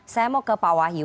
saya mau ke pak wahyu